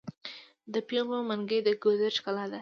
د پیغلو منګي د ګودر ښکلا ده.